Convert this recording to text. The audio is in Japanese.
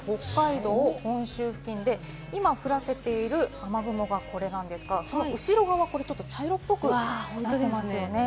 北海道、本州付近で今、降らせている雨雲がこれなんですが、その後ろ側、茶色っぽくなっていますよね。